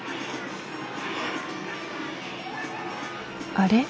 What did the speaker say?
あれ？